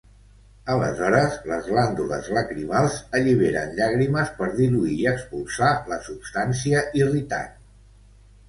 Aleshores les glàndules lacrimals alliberen llàgrimes per diluir i expulsar la substància irritant.